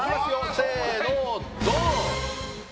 せーの、ドン！